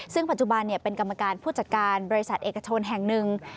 ซึ่งปัจจุบันเป็นกรรมการผู้จัดการบริษัทเอกชนแห่งหนึ่ง